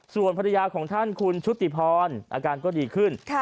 ส่วนภรรยาของท่านคุณชุติพรอาการก็ดีขึ้น